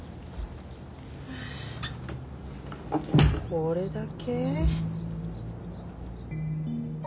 これだけ？